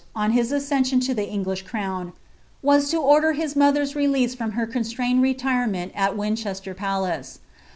on his accession to the En^ifc crown, was to order his mother's release from her consinitaed irtiitwiB at Winchester Palace.